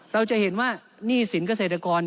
เราจะเห็นว่าหนี้สินเกษตรกร